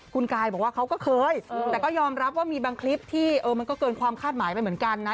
คุณกายบอกว่าเขาก็เคยแต่ก็ยอมรับว่ามีบางคลิปที่มันก็เกินความคาดหมายไปเหมือนกันนะ